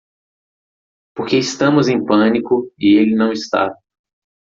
Porque estamos em pânico e ele não está.